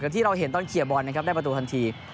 ที่เราเห็นตอนเคลียร์บอลนะครับได้ประตูทันที